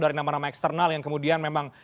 dari nama nama eksternal yang kemudian memang